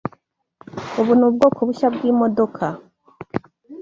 Ubu ni ubwoko bushya bwimodoka.